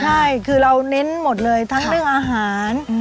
ใช่คือเราเน้นหมดเลยทั้งเรื่องอาหาร